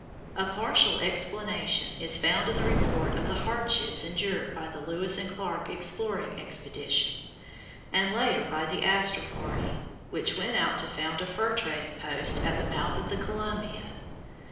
A partial explanation is found in the report of the hardships endured by the Lewis and Clark exploring expedition, and later by the Astor party, which went out to found a fur trading post at the mouth of the Columbia.